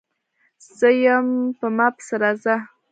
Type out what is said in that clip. _زه يم، په ما پسې راځه!